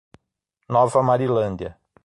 Nova Marilândia